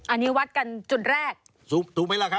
อันนี้วัดกันจุดแรก